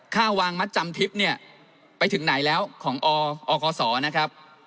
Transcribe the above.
ค่าวางมัดจำทิศไปถึงไหนแล้วของออคนะครับ